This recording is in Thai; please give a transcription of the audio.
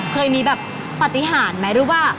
เคยมีแบบปฏิหารไหมหรือว่า